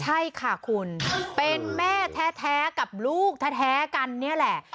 ใช่ค่ะคุณเป็นแม่แท้กับลูกแท้กันนี่แหละ